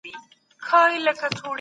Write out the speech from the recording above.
تاریخي پیښې زمونږ راتلونکی جوړوي.